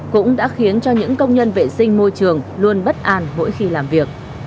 cũng đã khiến cho những công nhân vệ sinh môi trường luôn bất an mỗi khi làm việc